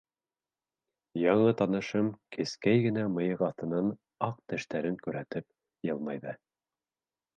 Яңы танышым кескәй генә мыйыҡ аҫтынан, аҡ тештәрен күрһәтеп, йылмайҙы.